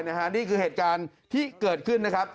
นี่คือเหตุการณ์ที่เกิดขึ้นนะครับ